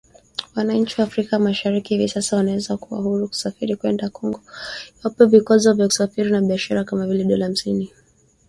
Wananchi wa Afrika Mashariki hivi sasa wanaweza kuwa huru kusafiri kwenda Kongo iwapo vikwazo vya kusafiri na biashara kama vile dola hamsini ya visa vimeondolewa